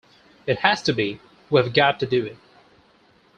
It has to be; we've got to do it.